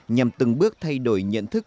nhằm từng bước thay đổi nhận thức